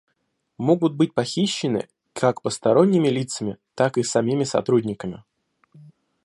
Могут быть похищены как посторонними лицами, так и самими сотрудниками